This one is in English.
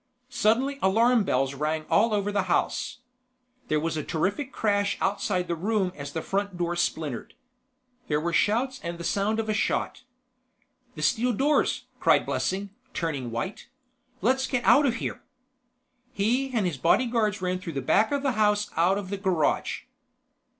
Suddenly alarm bells rang all over the house. There was a terrific crash outside the room as the front door splintered. There were shouts and the sound of a shot. "The steel doors!" cried Blessing, turning white. "Let's get out of here." He and his bodyguards ran through the back of the house out of the garage.